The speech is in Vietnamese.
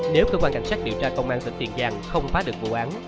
nếu cơ quan cảnh sát điều tra công an tỉnh tiền giang không phá được vụ án